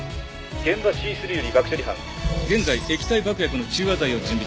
「現場Ｃ３より爆処理班」現在液体爆薬の中和剤を準備中。